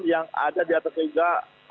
yang ada di atas juga